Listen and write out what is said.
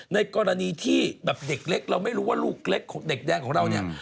ในกรณีที่แบบเด็กเล็กเราไม่รู้ว่าลูกเล็กของเด็กแดงของเราเนี่ย